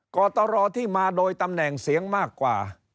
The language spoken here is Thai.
กตรที่มาโดยตำแหน่งเสียงมากกว่า